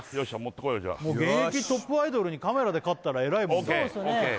じゃあ現役トップアイドルにカメラで勝ったらえらいもんそうですよね